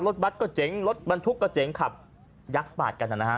บัตรก็เจ๋งรถบรรทุกก็เจ๋งขับยักษ์ปาดกันนะฮะ